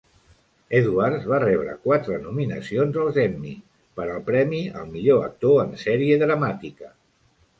Edwards va rebre quatre nominacions als Emmy per al premi al "millor actor en sèrie dramàtica".